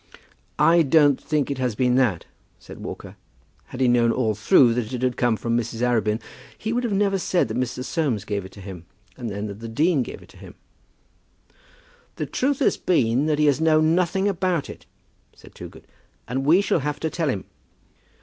"I don't think it has been that," said Walker. "Had he known all through that it had come from Mrs. Arabin, he would never have said that Mr. Soames gave it to him, and then that the dean gave it him." "The truth has been that he has known nothing about it," said Toogood; "and we shall have to tell him."